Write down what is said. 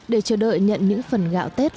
để chờ đợi nhận những phần gạo tết